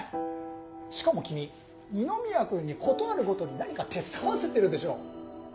しかも君二宮君に事あるごとに何か手伝わせてるでしょ。